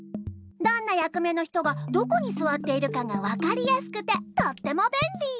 どんなやく目の人がどこにすわっているかがわかりやすくてとってもべんり！